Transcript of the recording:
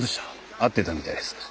会ってたみたいです。